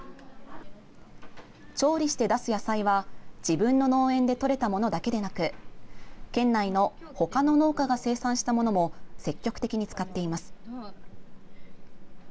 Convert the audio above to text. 調理して出す野菜は自分の農園でとれたものだけでなく県内の他の農家が生産したものも積極的に使っています。